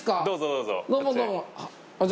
どうぞ。